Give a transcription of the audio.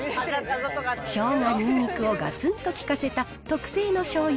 ショウガ、ニンニクをがつんと効かせた特製のしょうゆ